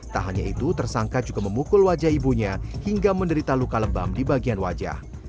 tak hanya itu tersangka juga memukul wajah ibunya hingga menderita luka lebam di bagian wajah